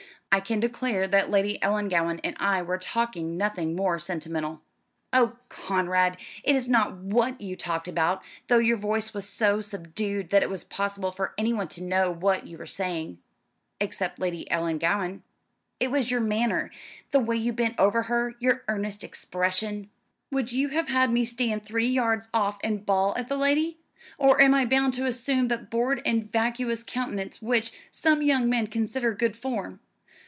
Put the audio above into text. "I can declare that Lady Ellangowan and I were talking of nothing more sentimental." "Oh, Conrad, it is not what you talked about, though your voice was so subdued that it was impossible for anyone to know what you were saying " "Except Lady Ellangowan." "It was your manner. The way you bent over her, your earnest expression." "Would you have had me stand three yards off and bawl at the lady? Or am I bound to assume that bored and vacuous countenance which some young men consider good form?